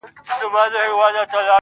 او وژاړمه,